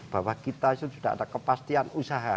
bahwa kita itu sudah ada kepastian usaha